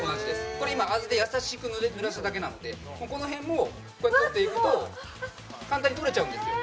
これ今優しくぬらしただけなのでこのへんもこうやって取っていくと簡単に取れちゃうんですよ